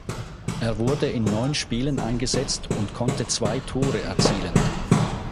Er wurde in neun Spielen eingesetzt und konnte zwei Tore erzielen.